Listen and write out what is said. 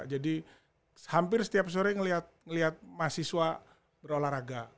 jadi hampir setiap sore ngeliat mahasiswa berolahraga